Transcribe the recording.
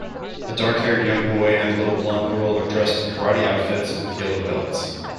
A darkhaired young boy and a little blond girl are dressed in karate outfits with yellow belts.